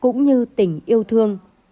cũng như tình yêu thương